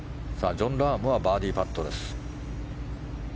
ジョン・ラームはバーディーパットです。